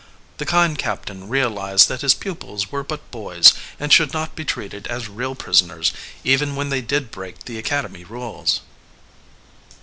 The kind captain realized that his pupils were but boys and should not be treated as real prisoners, even when they did break the academy rules.